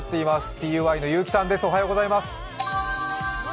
ＴＵＹの結城さんです。